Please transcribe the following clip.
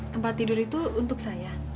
tempat tidur itu untuk saya